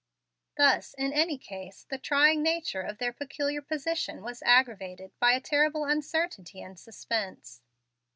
Thus, in any case, the trying nature of their peculiar position was aggravated by a terrible uncertainty and suspense.